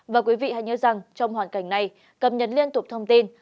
và quý vị hãy nhớ rằng trong hoàn cảnh này cập nhật liên tục thông tin